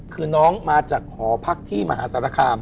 คือน้องมาจากหอพักที่มหาสารคาม